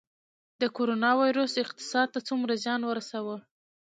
د کرونا ویروس اقتصاد ته څومره زیان ورساوه؟